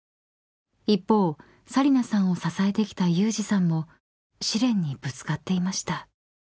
［一方紗理那さんを支えてきた有志さんも試練にぶつかっていました］